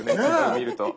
見ると。